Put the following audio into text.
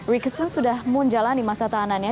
ricketson sudah menjalani masa tahanannya